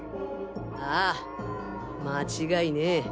ああ間違いねぇ！